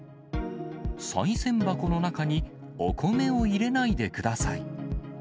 さい銭箱の中にお米を入れないでください。